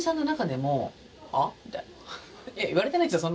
いや言われてないですよ